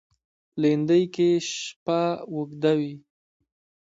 لېندۍ کې شپه اوږده وي.